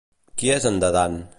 Qui és en Dadan?